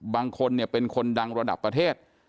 บางคนเนี่ยเป็นคนดังระดับประเทศ